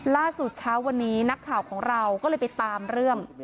ล่าสุดเช้าวันนี้นักข่าวของเราก็เลยไปตามเรื่อง